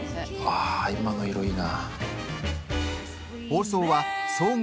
あー、今の色いいな。